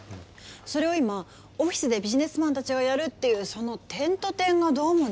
それを今オフィスでビジネスマンたちがやるっていうその点と点がどうもねえ。